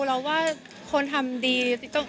เราว่าคนทำดี